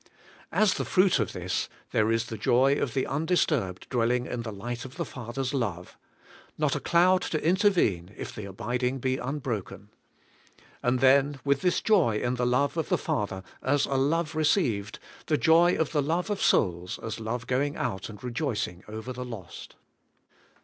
As the fruit of this, there is the joy of the undisturbed dwelling in the light of the Father's love, — not a cloud to intervene if the abiding be unbroken. And then, with this joy in the love of the Father, as a love received, the joy of the love of souls, as love going out and rejoicing over the lost.